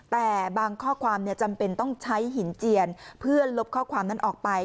แต่บางข้อความจำเป็นต้องใช้หินเจียนเพื่อลบข้อความนั้นออกไป